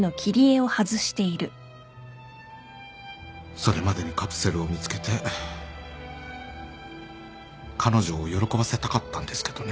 それまでにカプセルを見つけて彼女を喜ばせたかったんですけどね。